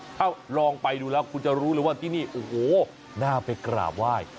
ถ้าลองไปดูแล้วคุณจะรู้เลยว่าที่นี่โอ้โหน่าไปกราบไหว้